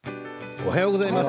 おはようございます。